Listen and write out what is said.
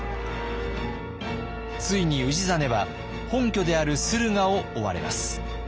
ついに氏真は本拠である駿河を追われます。